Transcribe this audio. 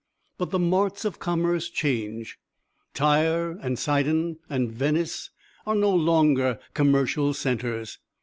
But the marts of commerce change. Tyre and Sidon, and Venice are no longer commercial centres.